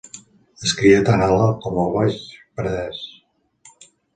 Es cria tant en l'Alt com el Baix Penedès.